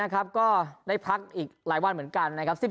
ก็ได้พักอีกหลายวันเหมือนกัน